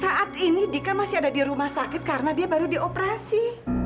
saat ini dika masih ada di rumah sakit karena dia baru dioperasi